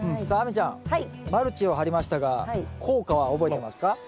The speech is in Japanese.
さあ亜美ちゃんマルチを張りましたが効果は覚えてますか？